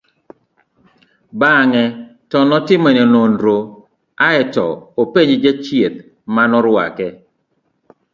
bang'e to notimone nonro ae to openje jachieth manorwake